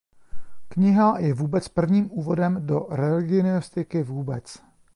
Kniha je vůbec prvním úvodem do religionistiky vůbec.